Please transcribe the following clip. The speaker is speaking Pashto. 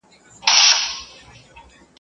يوه ويل کور مي تر تا جار، بل واښکى ورته وغوړاوه.